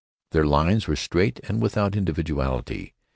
Their lines were straight and without individuality.